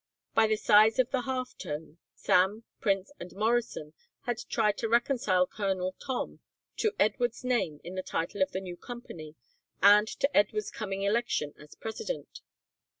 By the size of the half tone, Sam, Prince, and Morrison had tried to reconcile Colonel Tom to Edwards' name in the title of the new company and to Edwards' coming election as president.